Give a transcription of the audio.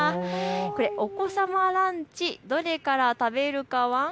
これ、お子様ランチどれから食べるかワン。